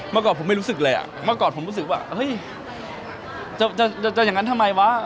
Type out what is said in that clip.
เมื่อก่อนผมไม่รู้สึกเลยอ่ะเมื่อก่อนผมรู้สึกว่าเฮ้ยจะอย่างนั้นทำไมวะ